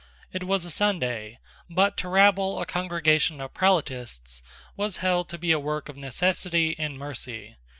It was a Sunday; but to rabble a congregation of prelatists was held to be a work of necessity and mercy.